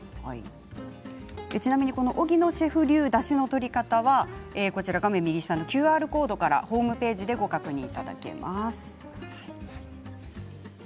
ちなみに荻野シェフ流だしの取り方は画面右下のＱＲコードからホームページでご確認いただけます。